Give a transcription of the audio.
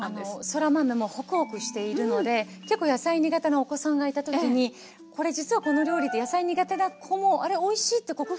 そら豆もほくほくしているので結構野菜苦手なお子さんがいた時にこれ実はこの料理って野菜苦手な子も「あれおいしい」って克服できるかも。